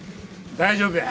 大丈夫や。